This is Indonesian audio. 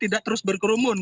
tidak terus berkerumun